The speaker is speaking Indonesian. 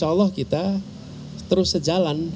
insya allah kita terus sejalan